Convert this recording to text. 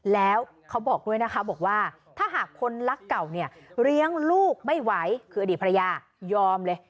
แล้วเขาบอกด้วยนะคะบอกว่าถ้าหากคนรักเก่าเนี่ยเลี้ยงลูกไม่ไหวคืออดีตภรรยายอมเลย